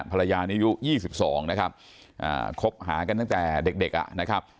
ภรรยานิยุยี่สิบสองนะครับอ่าคบหากันตั้งแต่เด็กเด็กอ่ะนะครับ